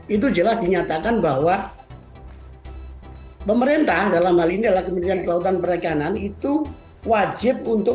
itu jelas dinyatakan bahwa pemerintah dalam hal ini adalah kementerian kelautan perikanan itu wajib untuk